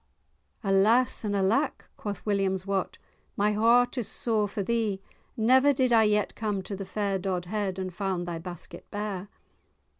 "Alas and alack," quoth William's Wat, "my heart is sore for thee. Never did I yet come to the fair Dodhead and found thy basket bare."